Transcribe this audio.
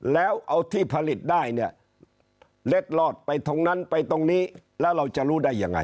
แล้วเอาที่ผลิตได้เนี่ยเล็ดลอดไปตรงนั้นไปตรงนี้แล้วเราจะรู้ได้ยังไง